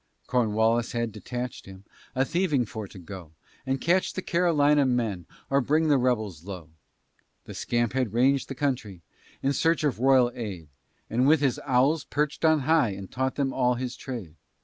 Cornwallis had detach'd him A thieving for to go, And catch the Carolina men, Or bring the rebels low. The scamp had rang'd the country In search of royal aid, And with his owls, perchèd on high, He taught them all his trade.